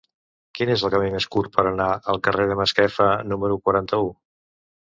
Quin és el camí més curt per anar al carrer de Masquefa número quaranta-u?